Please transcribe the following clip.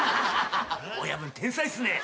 親分天才っすね。